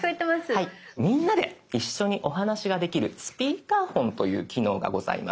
みんなで一緒にお話ができる「スピーカーフォン」という機能がございます。